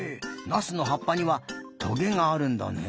ナスのはっぱにはトゲがあるんだねえ。